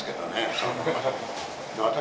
私